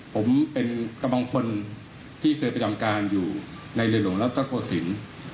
ผมเป็นกำลังพลที่เคยประจำการอยู่ในเรือหลวงรัฐโกศิลป์